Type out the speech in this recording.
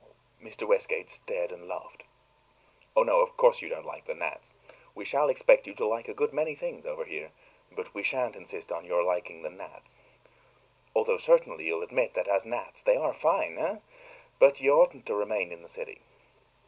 Mr. Westgate stared and laughed. "Oh, no, of course you don't like the gnats. We shall expect you to like a good many things over here, but we shan't insist upon your liking the gnats; though certainly you'll admit that, as gnats, they are fine, eh? But you oughtn't to remain in the city."